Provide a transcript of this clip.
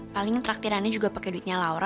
paling traktirannya juga pake duitnya laura